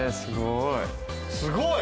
すごい！